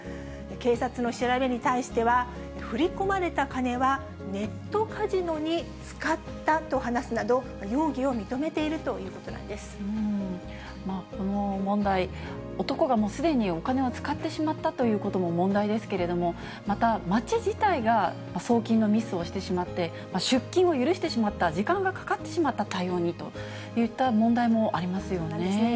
警察の調べに対しては、振り込まれた金はネットカジノに使ったと話すなど、容疑を認めてこの問題、男がすでにお金を使ってしまったということも問題ですけれども、また、町自体が送金のミスをしてしまって、出金を許してしまった、時間がかかってしまった、対応にといった問題もありますよね。